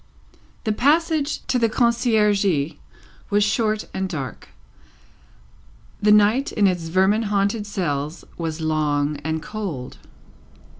The passage to the Conciergerie was short and dark; the night in its vermin haunted cells was long and cold.